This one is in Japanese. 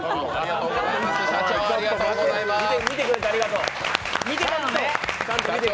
ありがとうございます社長！